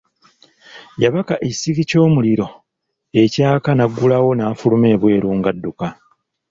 Yabaka ekisiki ky'omuliro ekyaka n'aggulawo n'afuluma ebweru ng'adduka.